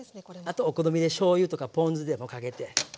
あとはお好みでしょうゆとかポン酢でもかけて。